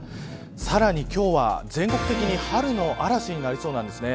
さらに今日は全国的に春の嵐になりそうなんですね。